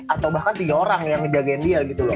atau bahkan tiga orang yang ngejagain dia gitu loh